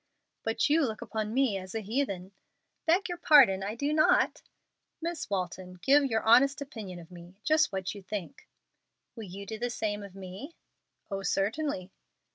"But you look upon me as a 'heathen.'" "Beg your pardon, I do not." "Miss Walton, give your honest opinion of me just what you think." "Will you do the same of me?" "Oh, certainly!"